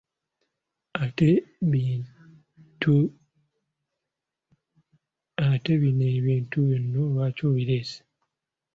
Ate bino ebintu byonna lwaki obireese?